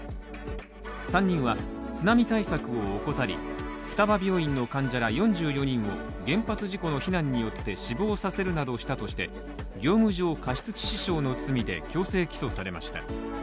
３人は津波対策を怠り双葉病院の患者ら４４人を原発事故の避難によって死亡させるなどしたとして業務上過失致死傷の罪で強制起訴されました。